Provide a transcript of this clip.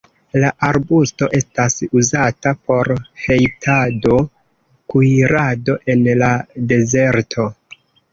La arbusto estas uzata por hejtado, kuirado en la dezerto.